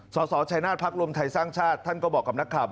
สสชัยนาศพักรวมไทยสร้างชาติท่านก็บอกกับนักข่าว